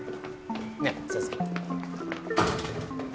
ねっ先生。